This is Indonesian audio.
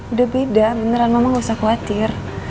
udah beda beneran mama gak usah khawatir